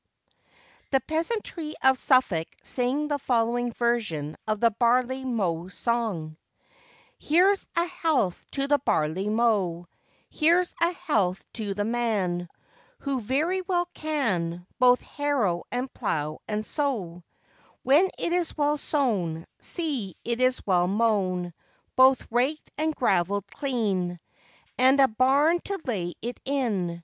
[THE peasantry of Suffolk sing the following version of the Barley Mow Song.] HERE'S a health to the barley mow! Here's a health to the man Who very well can Both harrow and plow and sow! When it is well sown See it is well mown, Both raked and gavelled clean, And a barn to lay it in.